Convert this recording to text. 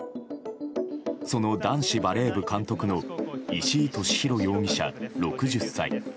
その男子バレー部監督の石井利広容疑者、６０歳。